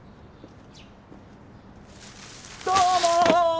どうも！